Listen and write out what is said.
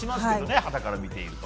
はたから見ていると。